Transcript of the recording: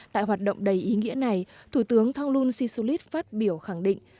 tại hoạt động đầy ý nghĩa này thủ tướng thang luong si solit phát biểu khẳng định